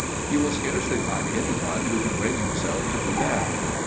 You will scarcely find anyone who can bring himself to do that.